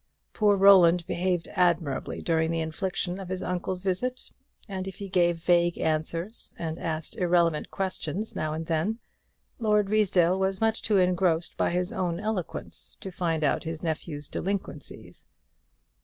Poor Roland behaved admirably during the infliction of his uncle's visit; and if he gave vague answers and asked irrelevant questions now and then, Lord Ruysdale was too much engrossed by his own eloquence to find out his nephew's delinquencies.